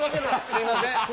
すいません。